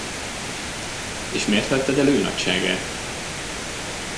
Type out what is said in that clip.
És mért hagytad el őnagyságát?